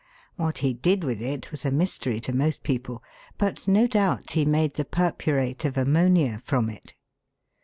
What he did with it was a mystery to most people, but no doubt he made the pur purate of ammonia from it.